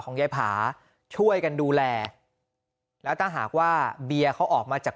ยายผาช่วยกันดูแลแล้วถ้าหากว่าเบียร์เขาออกมาจาก